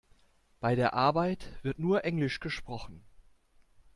Bei der Arbeit wird nur Englisch gesprochen.